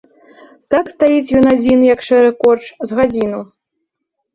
Так стаіць ён адзін, як шэры корч, з гадзіну.